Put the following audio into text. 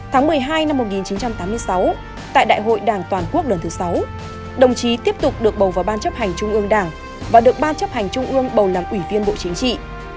tháng một mươi hai năm một nghìn chín trăm tám mươi sáu tại đại hội đảng toàn quốc lần thứ sáu đồng chí tiếp tục được bầu vào ban chấp hành trung ương đảng và được ban chấp hành trung ương bầu làm ủy viên bộ chính trị